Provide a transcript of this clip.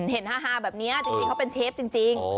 ฮาแบบนี้จริงเขาเป็นเชฟจริง